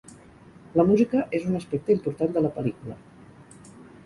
La música és un aspecte important de la pel·lícula.